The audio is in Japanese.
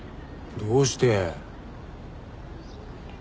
どうして？